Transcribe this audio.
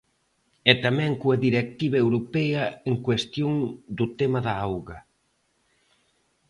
E tamén coa directiva europea en cuestión do tema da auga.